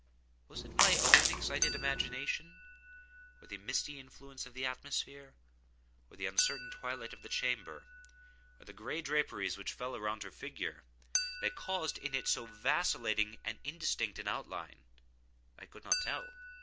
Was it my own excited imagination—or the misty influence of the atmosphere—or the uncertain twilight of the chamber—or the gray draperies which fell around her figure—that caused in it so vacillating and indistinct an outline? I could not tell.